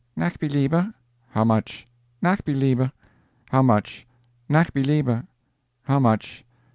"NACH BELIEBE." "How much?" "NACH BELIEBE." "How much?" "NACH BELIEBE." "How much?"